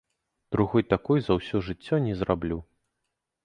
Другой такой за ўсё жыццё не зраблю.